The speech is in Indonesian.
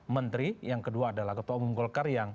menteri yang kedua adalah ketua umum golkar yang